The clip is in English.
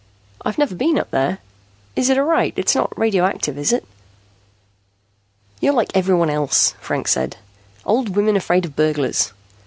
"I've never been up there. Is it all right? It's not radioactive, is it?" "You're like everyone else," Franks said. "Old women afraid of burglars.